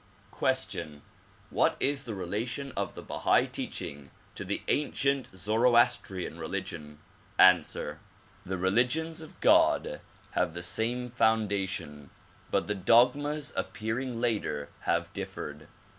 Question: What is the relation of the Bahai teaching to the ancient Zoroastrian religion? Answer: The religions of God have the same foundation but the dogmas appearing later have differed.